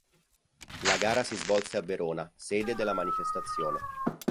La gara si svolse a Verona, sede della manifestazione.